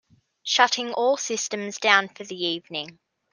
Shutting all systems down for the evening.